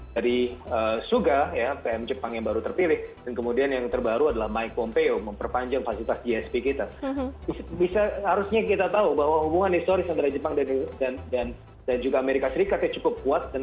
dari surabaya indonesia dan indonesia dan di indonesia mereka sudah mendapatkan kunjungan dari dua negara besar sebelumnya